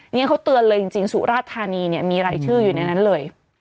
นี่เขาเตือนเลยจริงสุราชธานีเนี่ยมีรายชื่ออยู่ในนั้นเลย